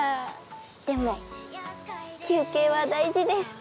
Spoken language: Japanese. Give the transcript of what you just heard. でも休憩は大事です。